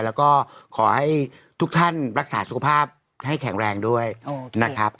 แล้วก็ขอให้ทุกท่านรักษาสุขภาพให้แข็งแรงด้วยนะครับ